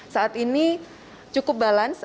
saat ini cukup balas